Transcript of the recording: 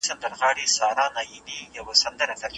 شاعر: جاني رې رایډر Johnny Ray Ryder